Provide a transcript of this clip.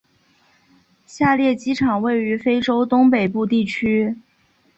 下列机场位于非洲东北部地区。